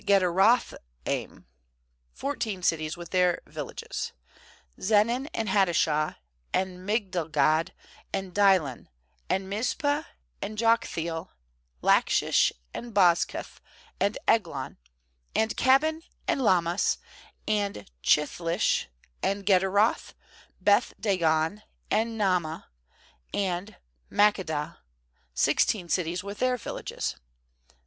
Gederoth aim; fourteen cities with their villages. 37Zenan, and Hadashah, and Migdal gad; 38and Dilan, and Mizpeh, and Joktheel; 39Lachish, and Bozkath, and Eglon; 40and Cabbon, and Lahmas, and Chithlish; ^and Gederoth, Beth dagon, and Naamah, and Makkedah; sixteen cities with their villages.